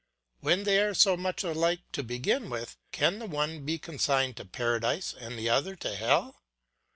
When they are so much alike to begin with, can the one be consigned to Paradise and the other to Hell?